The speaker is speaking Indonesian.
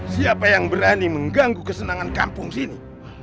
siapa yang berani mengganggu kesenangan kampung sini